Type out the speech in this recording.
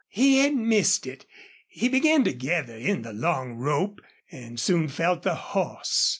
He had missed it. He began to gather in the long rope, and soon felt the horse.